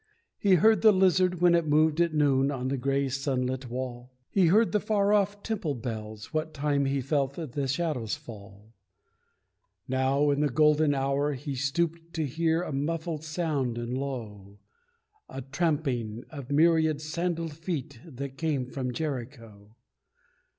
He heard the lizard when it moved at noon On the grey, sunlit wall; He heard the far off temple bells, what time He felt the shadows fall. Now, in the golden hour, he stooped to hear A muffled sound and low, The tramping of a myriad sandalled feet That came from Jericho.